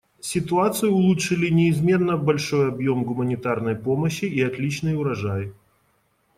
Ситуацию улучшили неизменно большой объем гуманитарной помощи и отличный урожай.